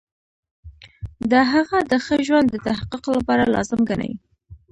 دی هغه د ښه ژوند د تحقق لپاره لازم ګڼي.